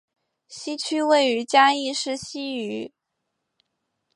西区位于嘉义市西隅。